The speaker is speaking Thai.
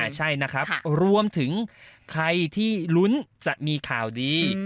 ใช่นะครับรวมถึงใครที่ลุ้นจะมีข่าวดี